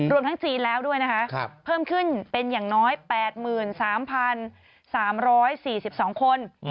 ทั้งจีนแล้วด้วยนะคะเพิ่มขึ้นเป็นอย่างน้อย๘๓๓๔๒คน